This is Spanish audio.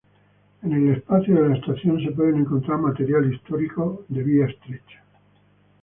En el espacio de la estación se puede encontrar material histórico de vía estrecha.